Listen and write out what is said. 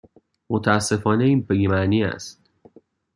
متاسفانه این بی معنی است.